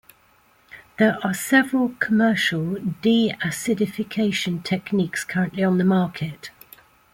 There are several commercial deacidification techniques currently on the market.